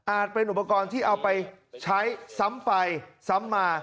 เป็นอุปกรณ์ที่เอาไปใช้ซ้ำไปซ้ำมา